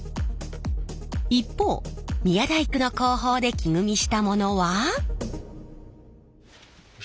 一方宮大工の工法で木組みしたものは。